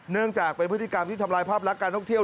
เนื่องจากเป็นพฤติกรรมที่ทำลายภาพลักษณ์การท่องเที่ยว